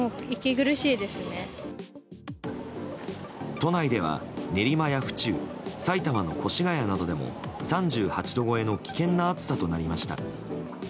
都内では練馬や府中埼玉の越谷などでも３８度超えの危険な暑さとなりました。